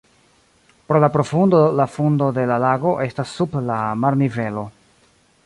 Pro la profundo la fundo de la lago estas sub la marnivelo.